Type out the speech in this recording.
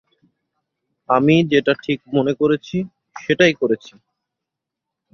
আমি যেটা ঠিক মনে করেছি, সেটাই করেছি।